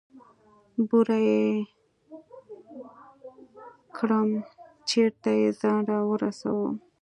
بوره يې کړم چېرته يې ځان راورسوه.